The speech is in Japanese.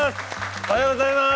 おはようございます。